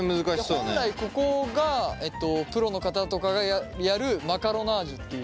本来ここがプロの方とかがやるマカロナージュっていう。